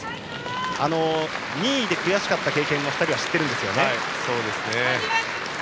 ２位で悔しかった経験も２人は知っているんですよね。